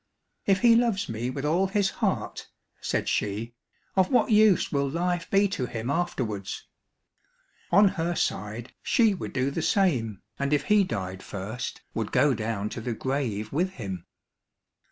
"If he loves me with all his heart," said she, "of what use will life be to him afterwards?" On her side she would do the same, and if he died first, would go down to the grave with him.